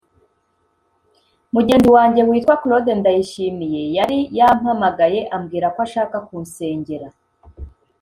mugenzi wanjye witwa Claude Ndayishimiye yari yampamagaye ambwira ko ashaka kunsengera